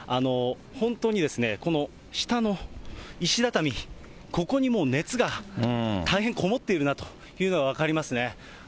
本当に、この下の石畳、ここにも熱が大変こもっているなというのが分かりますね。